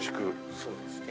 そうですね。